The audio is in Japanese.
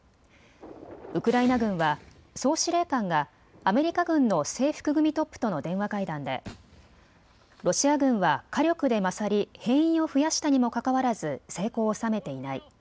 ウクライナ軍は総司令官がアメリカ軍の制服組トップとの電話会談でロシア軍は火力で勝り兵員を増やしたにもかかわらず成功を収めていない。